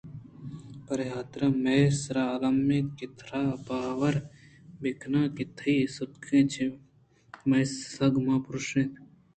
پرے حاترا مئے سرا الم اَت کہ ترا باور بہ کنائیناں کہ تئی سِتک چہ مئے سرا مہ پُرٛشیت